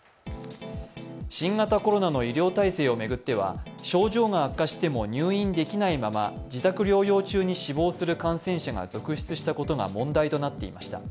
新型コロナの医療体制を巡っては症状が悪化しても入院できないまま自宅療養中に死亡する感染者が続出したことが問題となっていました。